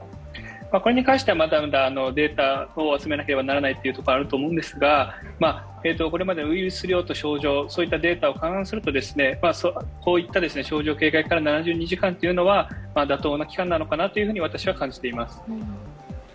これに関してはまだまだデータを集めなければならないところがあると思うんですが、これまでウイルス量と症状、そういったデータを勘案すると、こういった症状軽快から７２時間というのは妥当な期間なのかなと私は感じています。